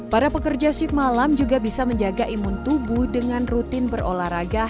para pekerja shift malam juga bisa menjaga imun tubuh dengan rutin berolahraga